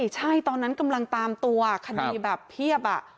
ใช่ตอนนั้นกำลังตามตัวคดีแบบเพียบ